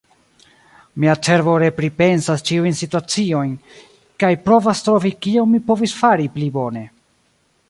Mia cerbo repripensas ĉiujn situaciojn, kaj provas trovi kion mi povis fari pli bone.